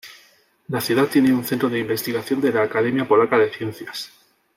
La ciudad tiene un centro de investigación de la Academia Polaca de Ciencias.